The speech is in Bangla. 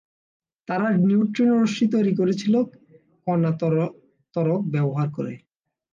তারা নিউট্রিনো রশ্মি তৈরি করেছিলেন কণা ত্বরক ব্যবহার করে।